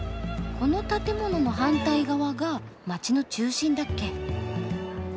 この建物の反対側が街の中心だっけ。